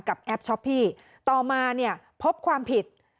กับแอปช็อปพี่ต่อมาพบความผิด